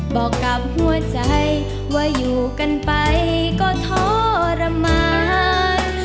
บอกกับหัวใจว่าอยู่กันไปก็ทรมาน